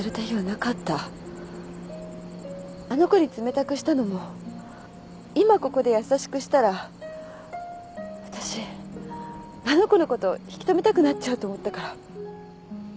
あの子に冷たくしたのも今ここで優しくしたらわたしあの子のこと引き止めたくなっちゃうと思ったから。